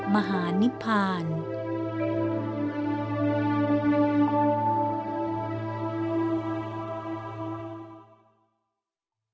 มหานิพพาน